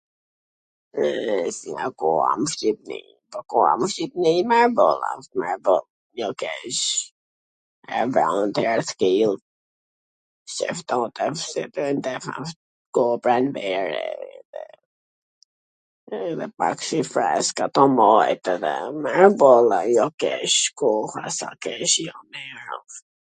E, si a koha n Shqipni? Po koha n Shqipni mirboll asht, mirboll, mor, po, jo keq, ... s qe ftoft, frynte pak, ko pranvere, edhe pak si freskwt ... mirbolll a, jo keq, koha s a keq, jo, mir asht.